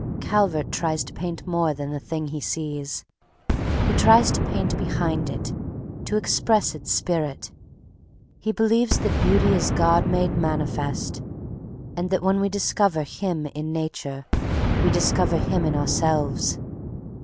Calvert tries to paint more than the thing he sees; he tries to paint behind it, to express its spirit. He believes that Beauty is God made manifest, and that when we discover Him in Nature we discover Him in ourselves.